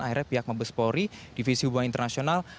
akhirnya pihak magbospori divisi hubungan internasional